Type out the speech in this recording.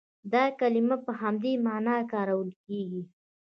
دا کلمه په همدې معنا کارول کېږي.